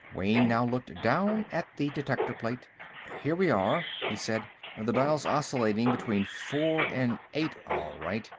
Wayne now looked down at the detector plate. "Here we are," he said. "The dial's oscillating between four and eight, all right.